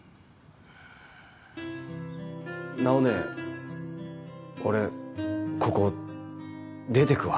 ナオ姉俺ここ出てくわ。